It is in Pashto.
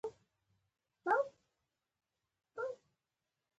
خوړل د پټاکیو خوند زیاتوي